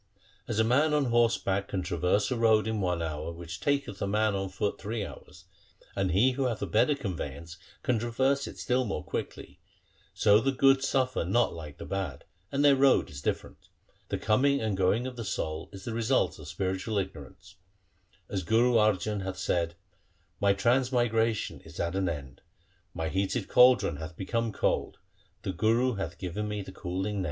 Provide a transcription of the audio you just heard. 2 ' As a man on horseback can traverse a road in one hour which taketh a man on foot three hours, and he who hath a better conveyance can traverse it still more quickly, so the good suffer not like the bad, and their road is different. The coming and going of the soul is the result of spiritual ignorance. As Guru Arjan hath said :— My transmigration is at an end ; My heated caldron hath become cold ; the Guru hath given me the cooling Name. 3 1 Bilawa!. 2 Asa. 3 Maru.